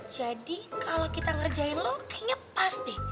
jadi kalo kita ngerjain lo kayaknya pas deh